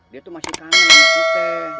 dia tuh masih kanan gitu